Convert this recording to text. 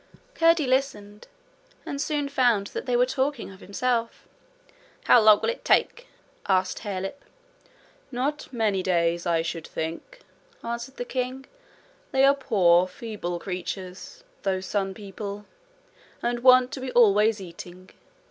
Curdie listened, and soon found that they were talking of himself. 'How long will it take?' asked Harelip. 'Not many days, I should think,' answered the king. 'They are poor feeble creatures, those sun people, and want to be always eating.